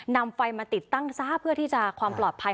นำไฟมาติดตั้งซะเพื่อที่จะความปลอดภัย